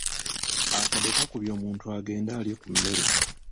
Akadde kakubye omuntu agende alye ku mmere.